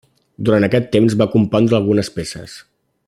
Durant aquest temps va compondre algunes peces.